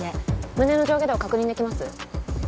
胸の上下動確認できます？